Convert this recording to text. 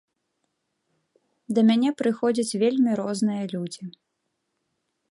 Да мяне прыходзяць вельмі розныя людзі.